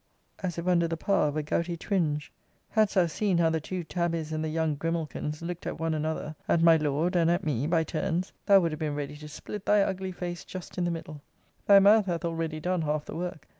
as if under the power of a gouty twinge. Hadst thou seen how the two tabbies and the young grimalkins looked at one another, at my Lord, and at me, by turns, thou would have been ready to split thy ugly face just in the middle. Thy mouth hath already done half the work.